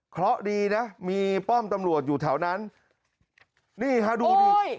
เพราะดีนะมีป้อมตำรวจอยู่แถวนั้นนี่ฮะดูดิ